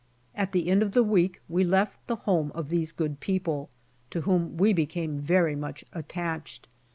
At the end of the week we left the home of these good people, to whom we became very much attached.